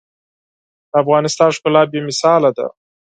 د افغانستان ښکلا بې مثاله ده.